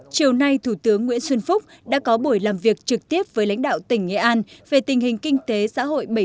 chiều nay thủ tướng nguyễn xuân phúc đã có buổi làm việc trực tiếp với lãnh đạo tỉnh nghệ an về tình hình kinh tế xã hội